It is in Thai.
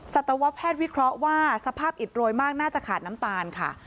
สัตวแพทย์วิเคราะห์ว่าสภาพอิดโรยมากน่าจะขาดน้ำตาลค่ะ